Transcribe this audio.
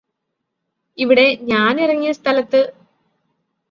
ഇവിടെ ഞാന് ഇറങ്ങിയ സ്ഥലത്ത്